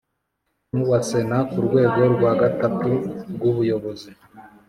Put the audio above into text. n uwa Sena ku rwego rwa gatatu rwubuyobozi